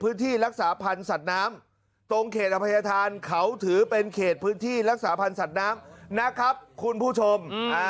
พื้นที่รักษาพันธุ์สัตว์น้ำตรงเขตอภัยธานเขาถือเป็นเขตพื้นที่รักษาพันธ์สัตว์น้ำนะครับคุณผู้ชม